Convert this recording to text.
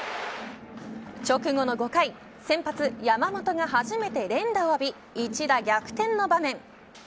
直後の５回先発、山本が初めて連打を浴び一打逆転の場面。